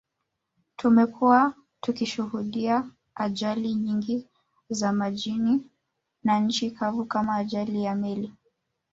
Tumekuwa tukishuhudia ajali nyingi za majini na nchi kavu kama ajali ya meli